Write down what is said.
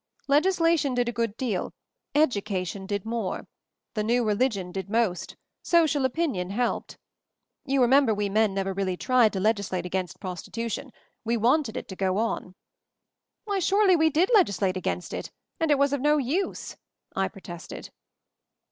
"Legislation did a good deal; education did more ; the new religion did most ; social opinion helped. You remember we men never really tried to legislate against prosti tution — we wanted it to go on." "Why, surely we did legislate against it — and it was of no use !" I protested.